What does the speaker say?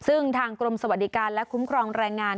ซึ่งทางกรมสวัสดิการและคุ้มครองแรงงาน